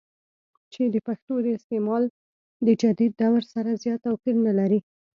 چې دَپښتو دَاستعمال دَجديد دور سره زيات توپير نۀ لري